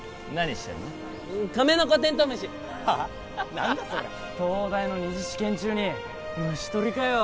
何だそれ東大の２次試験中に虫とりかよ